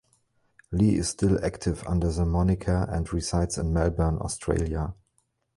Lee is still active under the moniker and resides in Melbourne, Australia.